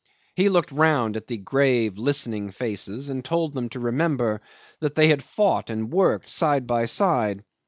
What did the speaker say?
He looked round at the grave listening faces and told them to remember that they had fought and worked side by side.